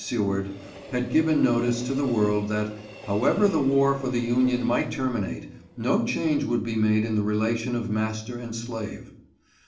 Seward, had given notice to the world that, " however the war for the Union might terminate, no change would be made in the relation of master and slave."